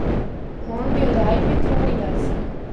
ہور گہرائی بھی تھوڑی آسی۔